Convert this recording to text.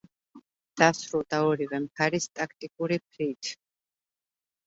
დასრულდა ორივე მხარის ტაქტიკური ფრით.